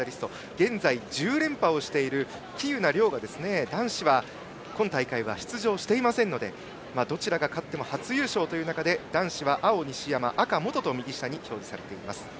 現在、１０連覇をしている喜友名諒が男子は、今大会は出場していませんのでどちらが勝っても初優勝という中で男子は青が西山、赤が本です。